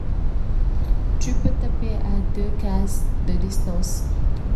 Tu peux taper à deux cases de distances.